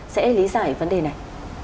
sẽ lý giải vấn đề này